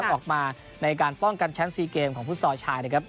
ออกมาในการป้องกันแชลป์ซีเกมของภูมิสต้อชาย